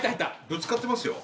ぶつかってますよ。